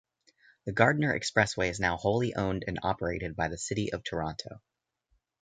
The Gardiner Expressway is now wholly owned and operated by the City of Toronto.